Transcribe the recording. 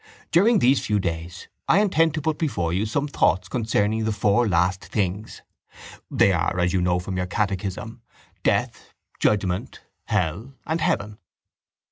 During these few days I intend to put before you some thoughts concerning the four last things. They are, as you know from your catechism, death, judgement, hell and heaven.